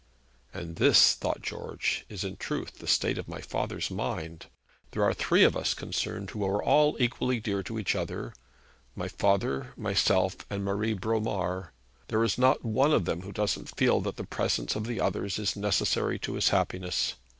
'And this,' thought George, 'is in truth the state of my father's mind! There are three of us concerned who are all equally dear to each other, my father, myself, and Marie Bromar. There is not one of them who doesn't feel that the presence of the others is necessary to his happiness.